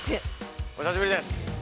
お久しぶりです。